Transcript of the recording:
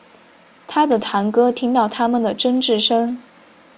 他的堂哥听到他们的争执声